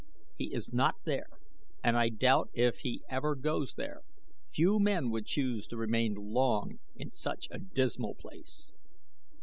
He is not there and I doubt if he ever goes there. Few men would choose to remain long in such a dismal place."